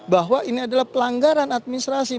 bahwa ini adalah pelanggaran administrasi